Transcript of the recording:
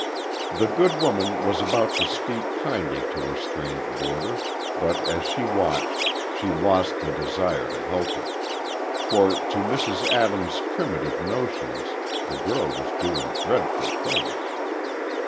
The good woman was about to speak kindly to her strange boarder but as she watched, she lost the desire to help her. For, to Mrs. Adams' primitive notions, the girl was doing dreadful things.